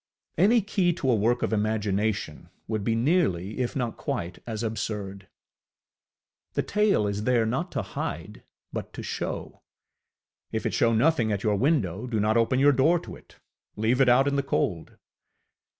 Any key to a work of imagination would be nearly, if not quite, as absurd. The tale is there, not to hide, but to show: if it show nothing at your window, do not open your door to it; leave it out in the cold.